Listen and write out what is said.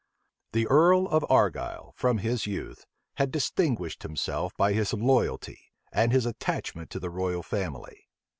The earl of Argyle, from his youth, had distinguished himself by his loyalty, and his attachment to the royal family.